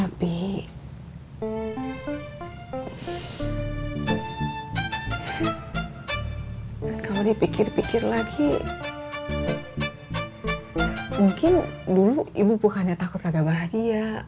tapi kalau dipikir pikir lagi mungkin dulu ibu bukannya takut agak bahagia